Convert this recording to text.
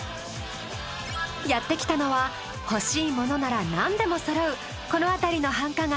やって来たのは欲しいものなら何でもそろうこの辺りの繁華街